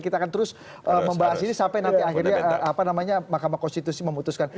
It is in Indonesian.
kita akan terus membahas ini sampai nanti akhirnya mahkamah konstitusi memutuskan